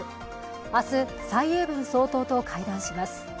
明日、蔡英文総統と会談します。